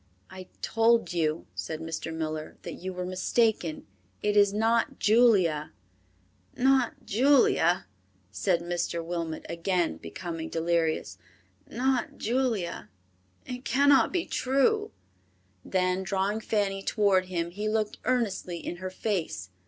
"I told you," said Mr. Miller, "that you were mistaken; it is not Julia." "Not Julia!" said Mr. Wilmot, again becoming delirious. "Not Julia! It cannot be true." Then drawing Fanny toward him he looked earnestly in her face.